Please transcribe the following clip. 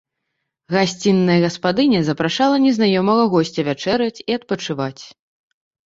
Гасцінная гаспадыня запрашала незнаёмага госця вячэраць і адпачываць.